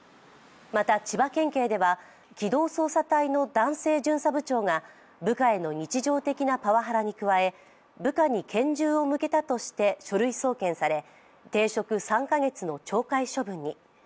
また千葉県警では機動捜査隊の男性巡査部長が部下への日常的なパワハラに加え部下に拳銃を向けたとして書類送検され、停職３か月の懲戒処分に。